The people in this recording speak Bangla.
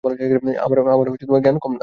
আমারো জ্ঞান কম না?